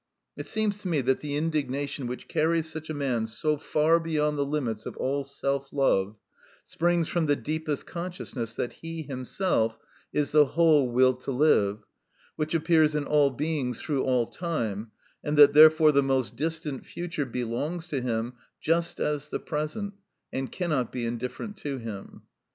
It seems to me that the indignation which carries such a man so far beyond the limits of all self love springs from the deepest consciousness that he himself is the whole will to live, which appears in all beings through all time, and that therefore the most distant future belongs to him just as the present, and cannot be indifferent to him.